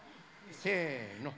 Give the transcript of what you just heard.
せの。